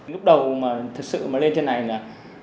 lúc đầu mà thật sự mà lên trên này là